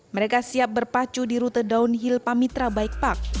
mereka siap berpacu di rute downhill pamitra bike park